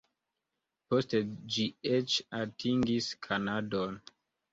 Poste ĝi eĉ atingis Kanadon.